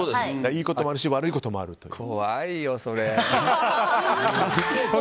いいこともあるし悪いこともあるっていう。